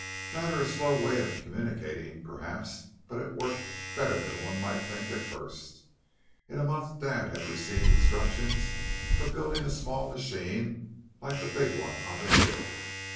"Rather a slow way of communication, perhaps. But it worked better than one might think at first. In a month Dad had received instructions for building a small machine like that big one on the hill.